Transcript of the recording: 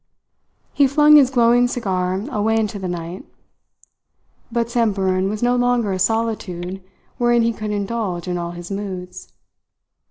He flung his glowing cigar away into the night. But Samburan was no longer a solitude wherein he could indulge in all his moods.